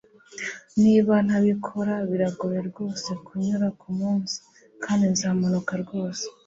niba ntabikora, biragoye rwose kunyura kumunsi, kandi nzamanuka rwose